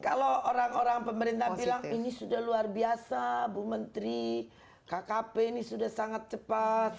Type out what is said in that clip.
kalau orang orang pemerintah bilang ini sudah luar biasa bu menteri kkp ini sudah sangat cepat